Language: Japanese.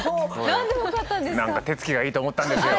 何か手つきがいいと思ったんですよ。